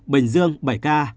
bình dương bảy ca